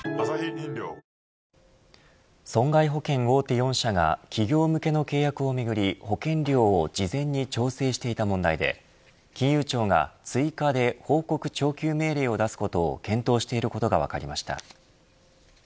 損害保険大手４社が企業向けの契約をめぐり保険料を事前に調整していた問題で金融庁が追加で報告徴求命令を出すことを検討していることが分かりました。